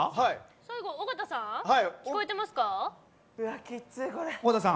最後、尾形さん聞こえてますか。